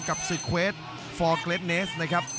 กับศึกเวทฟอร์เกรดเนสนะครับ